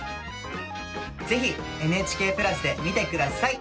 ぜひ「ＮＨＫプラス」で見て下さい！